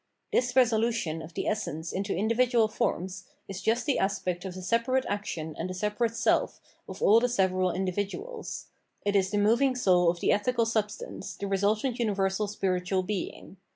This resolution of the essence into individual forms is just the aspect of the separate action and the separate self of all the several individuals ; it is the moving soul of the ethical substance, the resultant universal spiritual being.